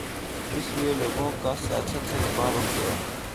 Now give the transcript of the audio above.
اس لیے لوگوں کا سیاست سے اعتبار اٹھ گیا۔